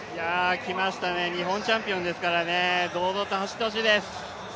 きましたね、日本チャンピオンですから堂々と走ってほしいです。